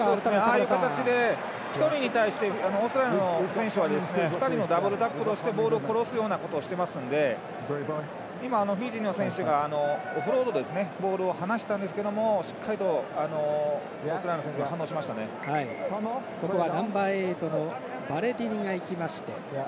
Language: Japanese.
ああいう形で１人に対してオーストラリアの選手は２人のダブルタックルをしてボールを殺すようなことをしてますので今、フィジーの選手がオフロードでボールを離したんですがしっかりとオーストラリアの選手ナンバーエイトのバレティニがいきまして。